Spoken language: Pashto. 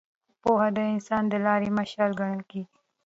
پوهه د انسان د لارې مشال ګڼل کېږي.